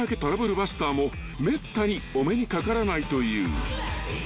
バスターもめったにお目にかからないという］